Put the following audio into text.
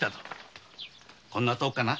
こんなとこかな。